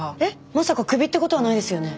まさかクビってことはないですよね？